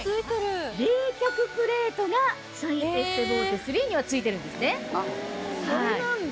冷却プレートがシャインエステボーテ３には付いてるんですね。